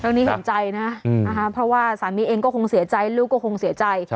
นี้เห็นใจนะนะคะเพราะว่าสามีเองก็คงเสียใจลูกก็คงเสียใจ